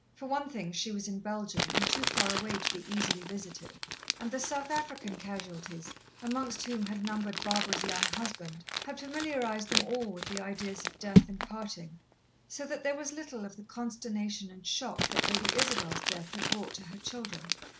For one thing, she was in Belgium and too far away to be easily visited, and the South African casualties, amongst whom had numbered Barbara's young husband, had familiarized them all with the ideas of death and parting, so that there was little of the consternation and shock that Lady Isabel's death had brought to her children.